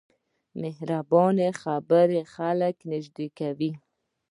مهربانه خبرې خلک نږدې کوي.